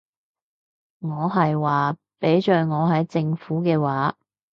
我係話，畀在我係政府嘅話